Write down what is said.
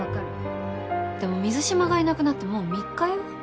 でも水島がいなくなってもう３日よ。